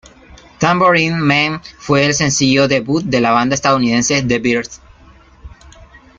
Tambourine Man fue el sencillo debut de la banda estadounidense The Byrds.